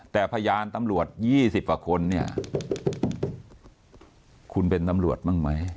แต่พยานตำรวจ๒๐กว่าคนเนี่ยคุณเป็นตำรวจบ้างไหม